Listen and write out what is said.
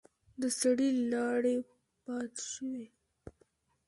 د سړي لاړې باد شوې.